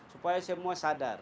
supaya semua sadar